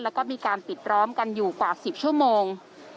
แล้วก็มีการปิดล้อมกันอยู่กว่า๑๐ชั่วโมง